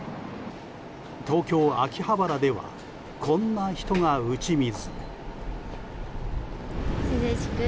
東京・秋葉原ではこんな人が打ち水。